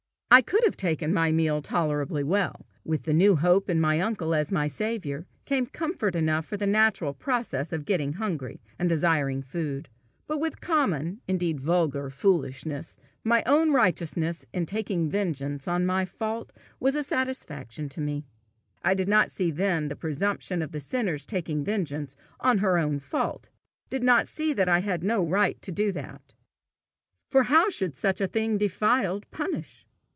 I could have taken my meal tolerably well: with the new hope in my uncle as my saviour, came comfort enough for the natural process of getting hungry, and desiring food; but with common, indeed vulgar foolishness, my own righteousness in taking vengeance on my fault was a satisfaction to me. I did not then see the presumption of the sinner's taking vengeance on her own fault, did not see that I had no right to do that. For how should a thing defiled punish?